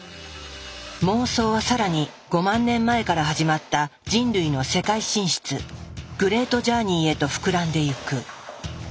妄想はさらに５万年前から始まった人類の世界進出グレートジャーニーへと膨らんでいく。